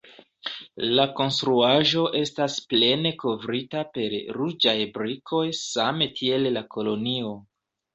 La konstruaĵo estas plene kovrita per ruĝaj brikoj, same tiel la kolonio.